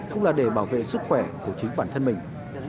không là để bảo vệ sức khỏe của chính bản thân mình